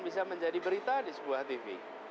bisa menjadi berita di sebuah tv